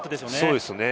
そうですね。